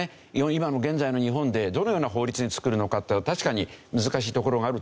今の現在の日本でどのような法律に作るのかっていうのは確かに難しいところがあると思うんですけど。